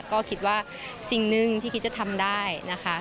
ก็คิดว่าสิ่งหนึ่งที่คิดจะทำได้นะคะ